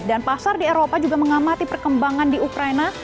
dan pasar di eropa juga mengamati perkembangan di ukraina